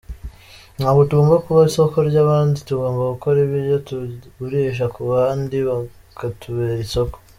Ntabwo tugomba kuba isoko ry’abandi, tugomba gukora ibyo tugurisha ku bandi bakatubera isoko.